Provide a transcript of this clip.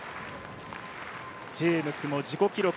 ジェームスも自己記録